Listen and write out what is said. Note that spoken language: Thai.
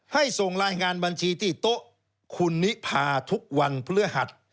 ส่งรายงานบัญชีที่โต๊ะคุณนิพาทุกวันพฤหัส